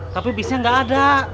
tapi bisnya nggak ada